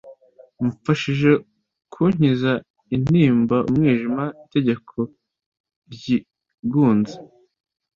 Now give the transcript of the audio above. mfashije kunkiza intimba umwijima, itegeko ryigunze